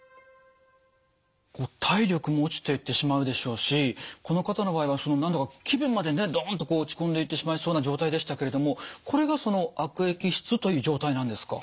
体力も落ちていってしまうでしょうしこの方の場合はその何だか気分までねドンとこう落ち込んでいってしまいそうな状態でしたけれどもこれがその悪液質という状態なんですか？